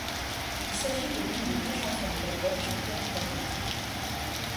Il s'agit de l'une des deux chansons de l'album chantées en italien.